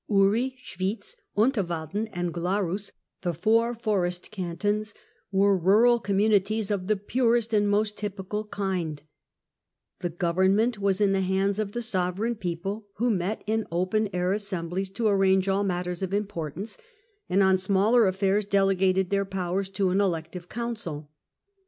Uri, Schwitz, Unterwalden and Glarus, the four forest cantons, were rural communities of the purest and most typical kind ; the government was in the hands of the sovereign people, who met in open air assemblies to arrange all matters of importance, and on smaller affairs delegated their powers to an elective Council.